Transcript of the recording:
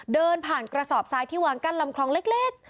เดินผ่านกระสอบทรายที่วางกั้นลำคลองเล็ก